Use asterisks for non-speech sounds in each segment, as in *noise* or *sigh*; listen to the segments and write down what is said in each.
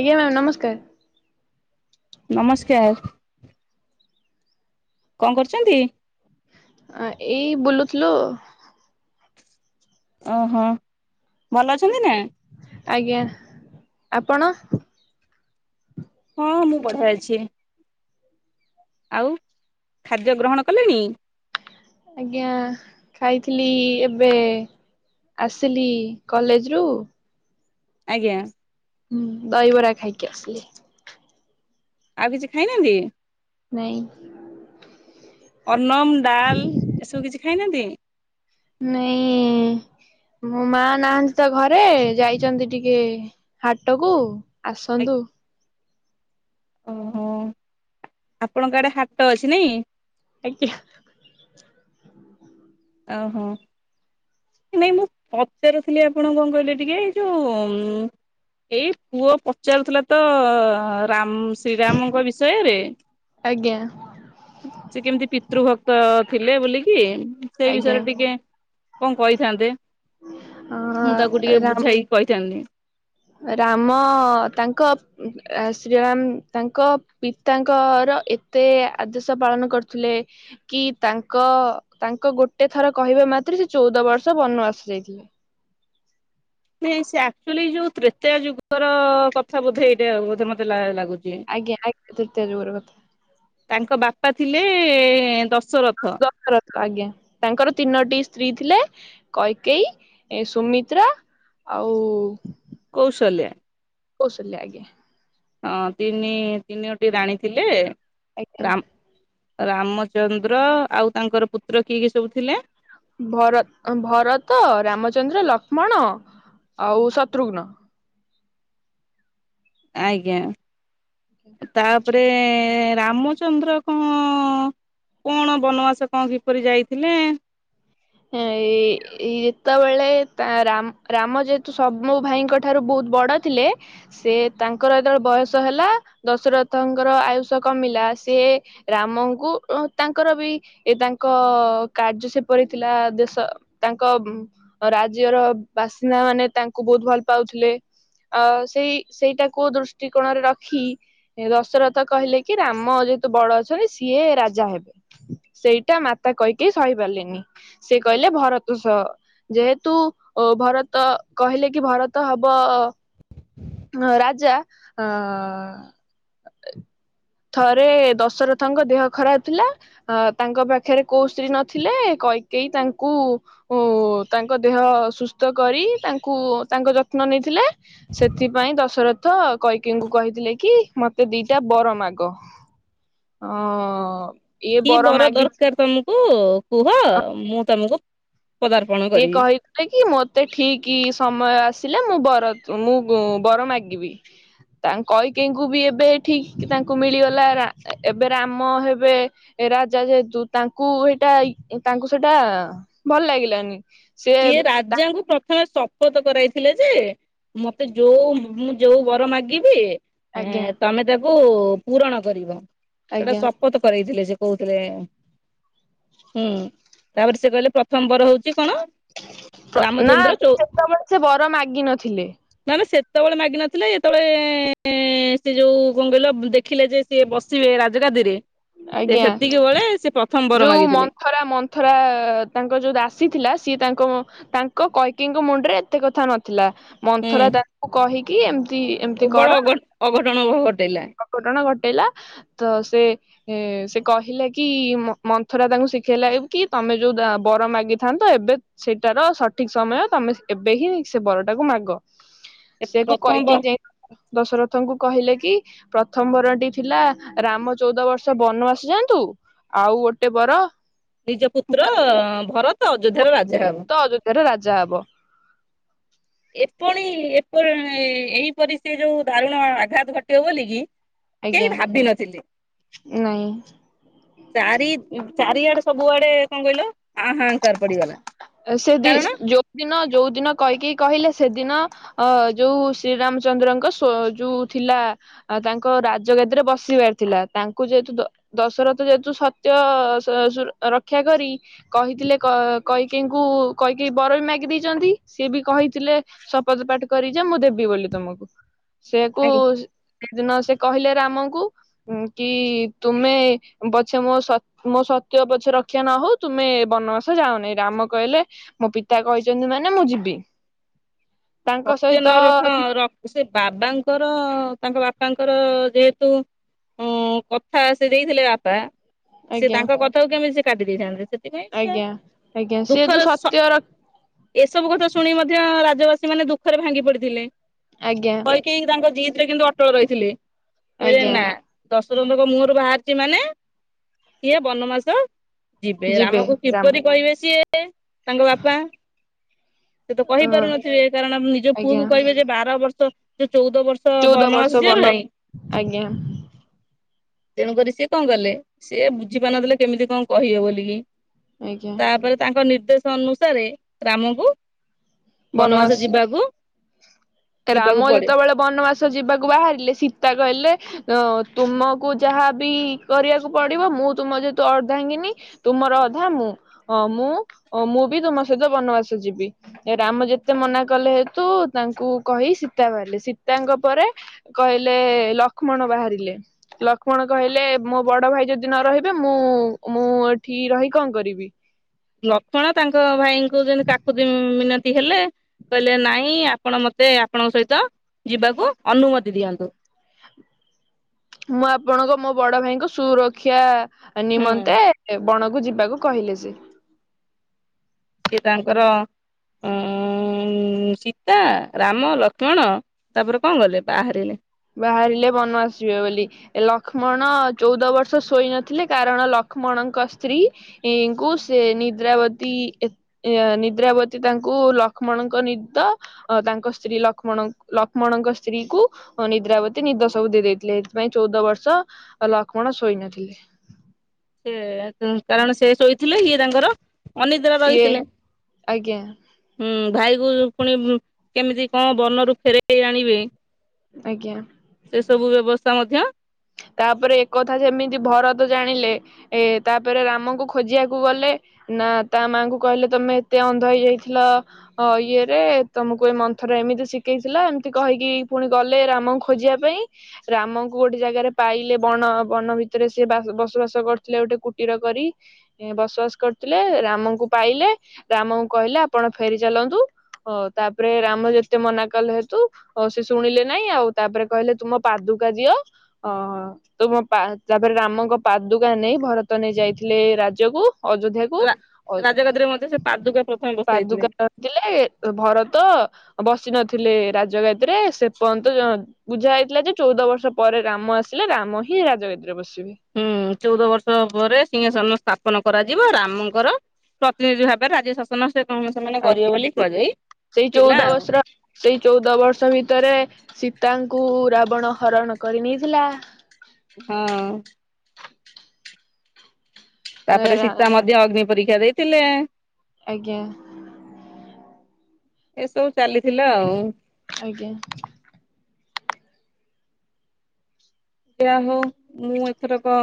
ଆଜ୍ଞା ମ୍ୟାମ୍ ନମସ୍କାର। ନମସ୍କାର। କଣ କରୁଛନ୍ତି? ଏଇ ବୁଲୁଥିଲୁ ଆଉ ଓହୋ ଭଲ ଅଛନ୍ତି ନା? ଆଜ୍ଞା ଆପଣ? ହଁ ମୁଁ ବଢ଼ିଆ ଅଛି। ଆଉ ଖାଦ୍ୟ ଗ୍ରହଣ କଲେଣି? ଆଜ୍ଞା ଖାଇଥିଲି ଏବେ ଆସିଲି କଲେଜରୁ ଆଜ୍ଞା। ହୁଁ ଦହିବରା ଖାଇକି ଆସିଲି। ଆଉ କିଛି ଖାଇନାହାନ୍ତିକି? ନାଇଁ। ଅନ୍ନନମ ଡାଲ୍ ଏସବୁ କିଛି ଖାଇନାହାନ୍ତି। ନାଇଁ। ମୋ ମା ନାହାନ୍ତି ତ ଘରେ ଯାଇଛନ୍ତି ଟିକେ ହାଟକୁ ଆସନ୍ତୁ। ଓହୋ ଆପଣଙ୍କ ଆଡ଼େ ହାଟ ଅଛି ନାଇ ଆଜ୍ଞା। ଓହୋ। ନାଇଁ ମୁଁ ପଚାରୁଥିଲି ଆପଣ କଣ କହିଲେ ଟିକେ ଏଇ ଯୋଉ ଏଇ ପୁଅ ପଚାରୁଥିଲା ତ ରାମ ଶ୍ରୀରାମଙ୍କ ବିଷୟରେ। ଆଜ୍ଞା। ସେ କେମିତି ପିତୃଭକ୍ତ ଥିଲେ ବୋଲିକି ଉଁ ସେଇ ଆଜ୍ଞା। ବିଷୟରେ ଟିକେ କଣ କହିଥାନ୍ତେ। ଅ ମୁଁ ତାକୁ ଟିକେ ରାମ ବୁଝାଇକି କହିଥାନ୍ତି। ରାମ ତାଙ୍କ ଆଁ ଶ୍ରୀରାମ ତାଙ୍କ ପିତାଙ୍କର ଏତେ ଆଦେଶ ପାଳନ କରୁଥିଲେ। କି ତାଙ୍କ ତାଙ୍କ ଗୋଟେ ଥର କହିବା ମାତ୍ରେ ସେ ଚଉଦ ବର୍ଷ ବନବାସ ଯାଇଥିଲେ। ନାଇଁ ସେ ଆକ୍ଚୁଆଲି ଏଇ ଯୋଉ ତ୍ରେତୟା ଯୁଗର କଥା ବୋଧେ ଏଇଟା ବୋଧେ ମତେ ଲା-ଲାଗୁଛି। ଆଜ୍ଞା ଆଜ୍ଞା ତ୍ରେତୟା ଯୁଗର କଥା। ତାଙ୍କ ବାପା ଥିଲେ ଏଁ ଦଶର ଦଶରଥ। ଆଜ୍ଞା ତାଙ୍କର ତିନୋଟି ସ୍ତ୍ରୀ ଥିଲେ - କୈକେଇ, ଏ ସୁମିତ୍ରା ଆଉ କୌଶଲ୍ୟା। କୌଶଲ୍ୟା ଆଜ୍ଞା। ହଁ ତିନି ତିନୋଟି ରାଣୀ ଥିଲେ। ଆଜ୍ଞା ରାମ୍ ରାମଚନ୍ଦ୍ର ଆଉ ତାଙ୍କର ପୁତ୍ର କିଏ କିଏ ସବୁ ଥିଲେ? ଭର ଅଁ ଭରତ, ରାମଚନ୍ଦ୍ର, ଲକ୍ଷ୍ମଣ ଆଉ ଶତ୍ରୁଘ୍ନ। ଆଜ୍ଞା। ତା ପରେ ଏଁ ରାମଚନ୍ଦ୍ର କଁ କଣ ବନବାସ କଣ କିପରି ଯାଇଥିଲେ? ଏ-ଏଇ ଯେତେବେଳେ ତା ରାମ୍-ରାମ ଯେହେତୁ ସବୁ ଭାଇଙ୍କ ଠାରୁ ବହୁତ ବଡ ଥିଲେ ସେ ତାଙ୍କର ଯେତେବେଳେ ବୟସ ହେଲା, ଦଶରଥଙ୍କର ଆୟୁଷ କମିଲା ସିଏ ରାମଙ୍କୁ ଅଁ ତାଙ୍କର ବି ଏ ତାଙ୍କ କାର୍ଯ୍ୟ ସେପରି ଥିଲା ଦେଶ ତାଙ୍କ ଉଁ ରାଜ୍ୟର ବାସିନ୍ଦାମାନେ ତାଙ୍କୁ ବହୁତ ଭଲ ପାଉଥିଲେ। ଆଃ ସେଇ ସେଇଟାକୁ ଦୃଷ୍ଟିକୋଣରେ ରଖି ଦଶରଥ କହିଲେ କି ରାମ ଯେହେତୁ ବଡ ଅଛନ୍ତି ସିଏ ରାଜା ହେବେ। ସେଇଟା ମାତା କୈକେୟୀ ସହିପାରିଲେନି। ସେ କହିଲେ ଭରତ ସ ଯେହେତୁ ଅ ଭରତ କହିଲେ କି ଭରତ ହବ ଆ ରାଜା ଆଃ ଥରେ ଦଶରଥଙ୍କ ଦେହ ଖରାପ ଥିଲା ଅଁ ତାଙ୍କ ପାଖେରେ କୋଉ ସ୍ତ୍ରୀ ନଥିଲେ। କୈକେୟୀ ତାଙ୍କୁ ଓ ତାଙ୍କ ଦେହ ସୁସ୍ଥ କରି ତାଙ୍କୁ ତାଙ୍କ ଯତ୍ନ ନେଇଥିଲେ। ସେଥ୍ ଥିପାଇଁ ଦଶରଥ କୈକେୟୀଙ୍କୁ କହିଥିଲେ କି ମତେ ଦିଇଟା ବର ମାଗ। ଅଁ କି ବର ଦରକାର ତମୁକୁ କୁହ ମୁଁ ତମୁକୁ ଇଏ କହି ଲେ କି ମତେ ଠିକି ସମୟ ଆସିଲେ ମୁଁ ବର ମୁଁ ବର ମାଗିବି। ତାଙ୍କ୍ କୈକେୟୀଙ୍କୁ ବି ଏବେ ଠିକ୍ ତାଙ୍କୁ ମିଳିଗଲା ରା ଏଁ ଏବେ ରାମ ହେବେ ରାଜା ଯେହେତୁ ତାଙ୍କୁ ସେଇଟା ଇଙ୍କ୍ ତାଙ୍କୁ ସେଇଟା ଭଲ ଲାଗିଲାନି। ସେ ସିଏ ରାଜାଙ୍କୁ ପ୍ରଥମେ ଶପଥ କରାଇଥିଲେ ଯେ ମତେ ଯୋଉ ମୁଁ ଯୋଉ ବର ମାଗିବି ଆଜ୍ଞା ଏଁ ତମେ ତାକୁ ପୂରଣ କରିବ। ସେଇଟା ଆଜ୍ଞା ଶପଥ କରେଇଥିଲେ ସିଏ କହୁଥିଲେ। ହୁଁ ତାପରେ ସେ କହିଲେ ପ୍ରଥମ ବର ହଉଛି କଣ? ପ୍ର ନା ରାମଚନ୍ଦ୍ର ଚଉ ସେତେବେଳେ ସେ ବର ମାଗିନଥିଲେ। ମାନେ ସେତେବେଳେ ମାଗିନଥିଲେ ଯେତେବେଳେ ସେ ଯୋଉ କଣ କହିଲ ଦେଖିଲେ ଯେ ସିଏ ବସିବେ ରାଜଗାଦିରେ ସେ ଆଜ୍ଞା ସେତିକି ବେଳେ ସେ ପ୍ରଥମ ବର ମାଗିଥିଲେ। ଥରେ ମନ୍ଥରା ତାଙ୍କ ଯେଉଁ ଦାସୀ ଥିଲା ସିଏ ତାଙ୍କୁ ତାଙ୍କ କୈକେଇଙ୍କ ମୁଣ୍ଡରେ ଏତେ କଥା ନଥିଲା। ହୁଁ ମନ୍ଥରା ତାଙ୍କୁ କହିକି ଏମିତି ଏମତି ବଡ କର ଅଘ ଅଘଟଣ ଘଟେଇଲା। ଅଘଟଣ ଘଟେଇଲା ତ ସେ ଏ ସେ କହିଲେ କି ମନ୍ଥରା ତାଙ୍କୁ ଶିଖେଇଲା କି ତମେ ଯୋଉ ବର ମାଗିଥାନ୍ତ ଏବେ ସେଇଟାର ସଠିକ ସମୟ ତମେ ଏବେ ହିଁ ସେ ବରଟାକୁ ମାଗ। ସେକୁ ପ୍ରଥମ ବ କୈକେଇ ଯାଇ ଦଶରଥଙ୍କୁ କହିଲେ କି? ପ୍ରଥମ ବରଟି ଥିଲା ରାମ ଚଉଦ ବର୍ଷ ବନବାସ ଯାଆନ୍ତୁ। ଆଉ ଗୋଟେ ବର ନିଜ ପୁତ୍ର ଭରତ ଅଯୋଧ୍ୟାର ରାଜା ହେବ। ଧର ରାଜା ହବ। ଏପଣି ଏପ ଏଇପରି ସେ ଯୋଉ ଦାରୁଣ ଆଘାତ ଘଟିବ ବୋଲି କି ଆଜ୍ଞା କେହି ଭାବିନଥିଲେ। ନାଇଁ ଚାରି ଚାରିଆଡେ ସବୁଆଡେ କଣ କହିଲ ହା ହା କାର ପଡିଗଲା। ସେ ଦି କାରଣ ଯୋଉଦିନ ଯୋଉ ଦିନ କୈକେଇ କହିଲେ ସେଦିନ ଅ ଯୋଉ ଶ୍ରୀରାମଚନ୍ଦ୍ରଙ୍କ ଶୋ ଯୋଉ ଥିଲା। ଆଉ ତାଙ୍କ ରାଜଗାଦରେ ବସିବାର ଥିଲା ତାଙ୍କୁ ଯେହେତୁ ଦ ଦଶରଥ ଯେହେତୁ ସତ୍ୟ ଶ ରକ୍ଷା କରି କହିଥିଲେ କ କୈକେଇଙ୍କୁ କୈକେଇ ବର ବି ମାଗି ଦେଇଛନ୍ତି ସିଏ ବି କହିଥିଲେ ଶପଥ ପାଠ କରି ଯେ ମୁଁ ଦେବି ବୋଲି ତମକୁ ସେକୁ ଆଜ୍ଞା ସେଦିନ ସେ କହିଲେ ରାମଙ୍କୁ କି ତୁମେ ପଛେ ମୋ ସ ମୋ ସତ୍ୟ ପଛେ ରକ୍ଷା ନ ହଉ ତୁମେ ବନବାସ ଯାଅନି। ରାମ କହିଲେ ମୋ ପିତା କହିଛନ୍ତି ମାନେ ମୁଁ ଯିବି। ତାଙ୍କ ସତ୍ୟ ନ ସହିତ ରଖ ସେ ବାବାଙ୍କର ତାଙ୍କ ବାପାଙ୍କର ଯେହେତୁ ହୁଁ କଥା ସେ ଦେଇଥିଲେ ବାପା ସେ ଆଜ୍ଞା ତାଙ୍କ କଥାକୁ କେମିତି ସେ କାଟି ଦେଇଥାନ୍ତି ସେ *unintelligible* ଆଜ୍ଞା ଆଜ୍ଞା ସିଏ ଦୁଃଖ ଯୋଉ ରେ ସ ସତ୍ୟ ର ଏସବୁ କଥା ଶୁଣି କି ମଧ୍ୟ ରାଜବାସୀମାନେ ଦୁଃଖରେ ଭାଙ୍ଗି ପଡିଥିଲେ। ଆଜ୍ଞା। ସେ କି ତାଙ୍କ ଜିଦୀ ରେ କିନ୍ତୁ ଅଟଳ ରହିଥିଲି। କହିଲେ ଆଜ୍ଞା ନା। ଦଶରଥଙ୍କ ମୁହଁରୁ ବାହାରିଛି ମାନେ ସିଏ ବନବାସ ଯିବେ ରାମକୁ କିପରି କହିବେ ସିଏ ତାଙ୍କ ବାପା। ସେ ତ ହଁ କହିପାରୁନଥିବେ କାରଣ ନିଜ ଆଜ୍ଞା ପୁଅକୁ କହିବେ ଯେ ବାର ବର୍ଷ ଯେ ଚଉଦ ବର୍ଷ ତ ଚଉଦ ବନବାସ ବର୍ଷ ଯିବା ବନ ପାଇଁ। ଆଜ୍ଞା ତେଣୁକରି ସିଏ କଣ କଲେ? ସିଏ ବୁଝି ପାରୁ ନଥିଲେ କେମିତି କଣ କହିବେ ବୋଲିକି? ଆଜ୍ଞା ତାପରେ ତାଙ୍କ ନିର୍ଦ୍ଦେଶ ଅନୁସାରେ ରାମକୁ ବନବାସ ଯିବାକୁ ଯିବାକୁ ରାମ ପଡେ ଯେତେବେଳେ ବନବାସ ଯିବାକୁ ବାହାରିଲେ ସୀତା କହିଲେ ତୁମକୁ ଯାହାବି କରିବାକୁ ପଡିବ ମୁଁ ତୁମ ଯେହେତୁ ଅଦ୍ଧାଙ୍ଗିନି ତୁମର ଅଧା ମୁଁ ଅ ମୁଁ-ମୁଁ ବି ତମ ସହିତ ବନବାସ ଯିବି। ଏ ରାମ ଯେତେ ମନା କଲେ ହେତୁ ତାଙ୍କୁ କହି ସୀତା ବାହାରିଲେ, ସୀତାଙ୍କ ପରେ କହିଲେ ଲକ୍ଷ୍ମଣ ବାହାରିଲେ। ଲକ୍ଷ୍ମଣ କହିଲେ ମୋ ବଡ ଭାଇ ଯଦି ନ ରହିବେ ମୁଁ-ମୁଁ ଏଠି ରହି କଣ କରିବି। ଲକ୍ଷ୍ମଣ ତାଙ୍କ ଭାଇଙ୍କୁ ଯେନ୍ତି କାକୁତି ମିନତି ହେଲେ କହିଲେ ନାଇଁ ଆପଣ ମତେ ଆପଣଙ୍କ ସହିତ ଯିବାକୁ ଅନୁମତି ଦିଅନ୍ତୁ। ମୁଁ ଆପଣଙ୍କ ମୋ ବଡ ଭାଇଙ୍କ ସୁରକ୍ଷା ହୁଁ ନିମନ୍ତେ ବଣକୁ ଯିବାକୁ କହିଲେ ସେ। ସିଏ ତାଙ୍କର ଉଁ ସୀତା, ରାମ, ଲକ୍ଷ୍ମଣ ତାପରେ କଣ କଲେ ବାହାରିଲେ। ବାହାରିଲେ ବନବାସ ଯିବେ ବୋଲି। ଲକ୍ଷ୍ମଣ ଚଉଦ ବର୍ଷ ଶୋଇ ନଥିଲେ, କାରଣ ଲକ୍ଷ୍ମଣଙ୍କ ସ୍ତ୍ରୀ ଙ୍କୁ ସେ ନିଦ୍ରାବତୀ ଏ ଏ ନିଦ୍ରାବତୀ ତାଙ୍କୁ ଲକ୍ଷ୍ମଣଙ୍କ ନିଦ ଅ ତାଙ୍କ ସ୍ତ୍ରୀ ଲକ୍ଷ୍ମଣ ଲକ୍ଷ୍ମଣଙ୍କ ସ୍ତ୍ରୀ କୁ ନିଦ୍ରାବତୀ ନିଦ ସବୁ ଦେଇ ଦେଇଥିଲେ, ସେଥିପାଇଁ ଚଉଦ ବର୍ଷ ଲକ୍ଷ୍ମଣ ଶୋଇ ନଥିଲେ। ସେ କାରଣ ସେ ଶୋଇଥିଲେ, ଇଏ ତାଙ୍କର ଅନିଦ୍ରା ଇଏ ରହିଥିଲେ। ଆଜ୍ଞା ହୁଁ ଭାଇକୁ ପୁଣି କେମିତି କଣ ବନ ରୁ ଫେରାଇ ଆଣିବେ ଆଜ୍ଞା। ସେସବୁ ବ୍ୟବସ୍ଥା ମଧ୍ୟ ତାପରେ ଏକଥା ଯେମିତି ଭରତ ଜାଣିଲେ ଏ ତାପରେ ରାମଙ୍କୁ ଖୋଜିବାକୁ ଗଲେ। ନା ତା ମାଙ୍କୁ କହିଲେ ତମେ ଏତେ ଅନ୍ଧ ହେଇଯାଇଥିଲ ଅ ଇଏରେ ତମକୁ ଏ ମନ୍ଥରା ଏମିତି ଶିଖେଇଥିଲା ଏମ୍ତି କହିକି ପୁଣି ଗଲେ ରାମଙ୍କୁ ଖୋଜିବା ପାଇଁ। ରାମଙ୍କୁ ଗୋଟେ ଜାଗାରେ ପାଇଲେ ବଣ ବନ ଭିତରେ ସେ ବସବାସ କରୁଥିଲେ ଗୋଟେ କୁଟୀର କରି। ବସବାସ କରିୁଥିଲେ ରାମଙ୍କୁ ପାଇଲେ, ରାମଙ୍କୁ କହିଲେ ଆପଣ ଫେରି ଚାଲନ୍ତୁ। *unintelligible* ତାପରେ ରାମ ଯେତେ ମନା କଲେ ହେତୁ ଓ ସେ ଶୁଣିଲେ ନାଇଁ ଆଉ ତାପରେ କହିଲେ ତୁମ ପାଦୁକା ଦିଅ, ଅ ତ ମୋ ପା ତାପରେ ରାମଙ୍କ ପାଦୁକା ନେଇ ଭରତ ନେଇ ଯାଇଥିଲେ ରାଜ୍ୟକୁ ଅଯୋଧ୍ୟା ରା ରାଜଗାଦରେ ମଧ୍ୟ ସେ ପାଦୁକା ପ୍ରଥମେ ବସାଇଥିଲେ। *unintelligible* ଭରତ ବସି ନଥିଲେ ରାଜଗାଦିରେ ସେ ପର୍ଯ୍ୟନ୍ତ ବୁଝା ହେଇଥିଲା ଯେ ଚଉଦ ବର୍ଷ ପରେ ରାମ ଆସିଲେ ରାମ ହିଁ ରାଜଗାଦିରେ ବସିବେ। ହୁଁ ଚଉଦ ବର୍ଷ ପରେ ସିଂହସନ ସ୍ଥାପନ କରାଯିବ, ରାମଙ୍କର ପ୍ରତିନିଧି ଭାବେ ରାଜ୍ୟ ଶାସନ ସେ କ ସେମାନେ କରିବେ ଆଜ୍ଞା ବୋଲି କୁହାଯାଇ ସେଇ ଚଉଦ ଥିଲା ଆଉ। ବର୍ଷର ସେଇ ଚଉଦ ବର୍ଷ ଭିତରେ ସୀତାଙ୍କୁ ରାବଣ ହରଣ କରି ନେଇଥିଲା। ହଁ। ତାପରେ ରା ସୀତା ମଧ୍ୟ ଅଗ୍ନି ପରୀକ୍ଷା ଦେଇଥିଲେ। ଆଜ୍ଞା। ଏସବୁ ଚାଲିଥିଲା ଆଉ। ଆଜ୍ଞା। ଯା ହଉ ମୁଁ ଏଥରକ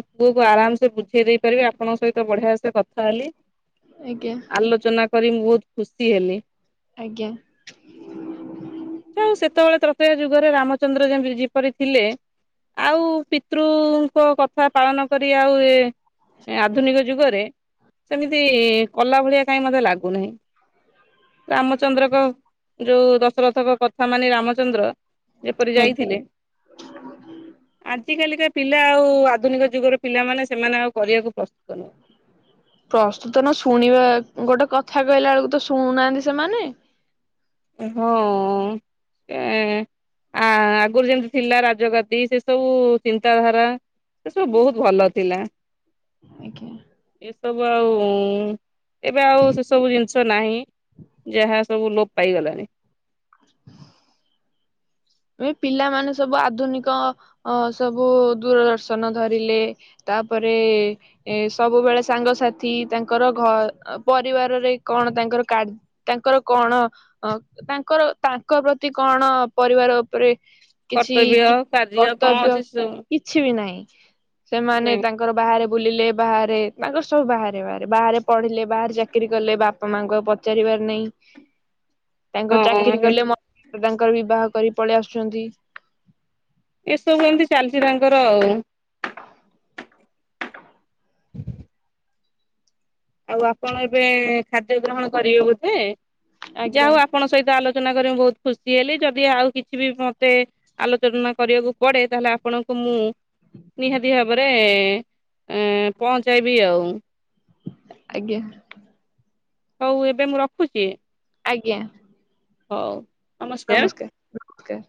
ମୋ ପୁଅକୁ ଆରାମସେ ବୁଝେଇ ଦେଇ ପାରିବି ଆପଣଙ୍କ ସହିତ ବଢିଆ ସେ କଥା ହେଲି। ଆଜ୍ଞା। ଆଲୋଚନା କରି ମୁଁ ବହୁତ୍ ଖୁସି ହେଲି। ଆଜ୍ଞା। ତଣୁ ସେତେବେଳେ ତ୍ରତୀୟା ଯୁଗରେ ରାମଚନ୍ଦ୍ର ଯେମତି ଯେପରି ଥିଲେ ଆଉ ପିତୃଙ୍କ କଥା ପାଳନ କରି ଆଉ ଏ ଆଧୁନିକ ଯୁଗରେ ସେମିତି କଲା ଭଳିଆ କାହିଁ ମତେ ଲାଗୁନାହିଁ। ରାମଚନ୍ଦ୍ରକ ଯୋଉ ଦଶରଥ କ କଥା ମାନେ ରାମଚନ୍ଦ୍ର ଯେପରି ଆଜ୍ଞା। ଯାଇଥିଲେ। *inaudible* ଆଜ କାଲିକା ପିଲା ଆଉ ଆଧୁନିକ ଯୁଗର ପିଲାମାନେ ସେମାନେ ଆଉ କରିବାକୁ ପ୍ରସ୍ତୁତ ନୁହଁ ପ୍ରସ୍ତୁତ ନ ଶୁଣିବା ଗୋଟେ କଥା କହିଲା ବେଳକୁ ତ ଶୁଣୁନାହାନ୍ତି ସେମାନେ ହଁ ଏ ଆ ଆଗରୁ ଯେମତି ଥିଲା ରାଜଗାତିି ସେ ସବୁ ଚିନ୍ତାଧାରା ସେ ସବୁ ବହୁତ ଭଲ ଥିଲା। ଆଜ୍ଞା। ଏସବୁ ଆଉ ଏବେ ଆଉ ସେସବୁ ଜିନିଷ ନାହିଁ। ଯାହା ସବୁ ଲୋପ ପାଇଗଲାଣି। *inaudible* ଏ ପିଲାମାନେ ସବୁ ଆଧୁନିକ ଅ ସବୁ ଦୂରଦର୍ଶନ ଧରିଲେ। ତାପରେ ଏ ସବୁବେଳେ ସାଙ୍ଗସାଥି ତାଙ୍କର ଘ ପରିବାରରେ କଣ ତାଙ୍କର କାର୍ ତାଙ୍କର କଣ ଅ ତାଙ୍କର ତାଙ୍କ ପ୍ରତି କଣ ପରିବାର ଉପରେ କିଛି କର୍ତ୍ତବ୍ୟ କାର୍ଯ୍ୟ କଣ କର୍ତ୍ତବ୍ୟ ଅଛି ସେ ସବୁ କିଛି ବି ନାହିଁ ସେମାନେ ନାଇଁ ତାଙ୍କ ତାଙ୍କର ବାହାରେ ବୁଲିଲେ ବାହାରେ ତାଙ୍କର ସବୁ ବାହାରେ ବାହାରେ ବାହାରେ ପଢିଲେ ବାହାରେ ଚାକିରି କଲେ ବାପା ବାପା ମାଙ୍କୁ ଆଉ ପଚାରିବାର ନାହିଁ *inaudible* ତାଙ୍କର ଚାକିରି ହଁ କଲେ ମ ତାଙ୍କର ବିବାହ କରି ପଳେଇ ଆସୁଛନ୍ତି। ଏସବୁ ଏମିତି ଚାଲିଛି ତାଙ୍କର ଆଉ। ଆଉ ଆପଣ ଏବେ ଖାଦ୍ୟ ଗ୍ରହଣ କରିବେ ବୋଧେ ଯାହା ଆଜ୍ଞା ହଉ ଆପଣଙ୍କ ସହିତ ଆଲୋଚନା ଯ କରି ମୁ ବହୁତ ଖୁସି ହେଲି ଯଦି ଆଉ କିଛି ବି ମତେ ଆଲୋଚନା କରିବାକୁ ପଡେ ତାହେଲେ ଆପଣଙ୍କୁ ମୁଁ ନିହାତି ଭାବରେ ପହଞ୍ଚାଇବି ଆଉ। ଆଜ୍ଞା। ହଉ ଏବେ ମୁଁ ରଖୁଛି। ଆଜ୍ଞା। ହଉ। ନମସ୍କାର। ନମସ୍କାର ନମସ୍କାର।